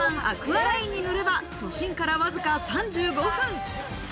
アクアラインに乗れば、都心からわずか３５分。